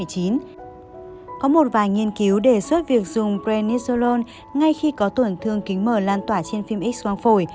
có một vài nghiên cứu đề xuất việc dùng brenizolone ngay khi có tổn thương kính mờ lan tỏa trên phim x quang phổi